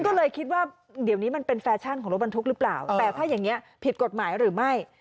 ก็เลยคิดว่าเดี๋ยวนี้มันเป็นแฟชั่นของรถบรรทุกหรือเปล่าแต่ถ้าอย่างนี้ผิดกฎหมายหรือไม่